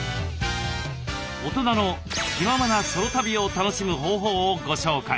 大人の「気ままなソロ旅」を楽しむ方法をご紹介。